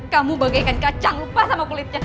kamu bagaikan kacang lupa sama kulitnya